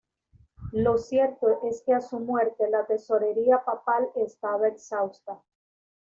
Lo cierto es que a su muerte la tesorería papal estaba exhausta.